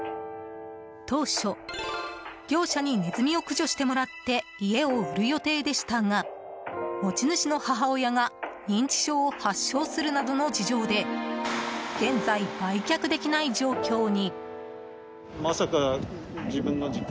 当初、業者にネズミを駆除してもらって家を売る予定でしたが持ち主の母親が認知症を発症するなどの事情で現在、売却できない状況に。